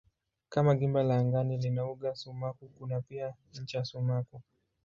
Kama gimba la angani lina uga sumaku kuna pia ncha sumaku.